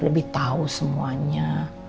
lebih tahu semuanya